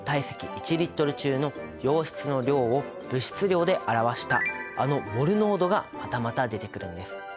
１Ｌ中の溶質の量を物質量で表したあのモル濃度がまたまた出てくるんです。